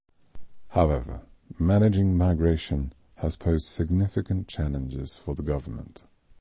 However, managing migration has posed significant challenges for the government.